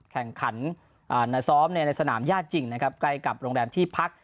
แข่งขันซ้อมในสนามญาติจริงนะครับใกล้กับโรงแรมที่พัก